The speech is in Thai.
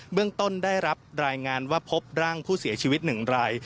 เรื่องต้นได้รับรายงานว่าพบร่างผู้เสียชีวิต๑ราย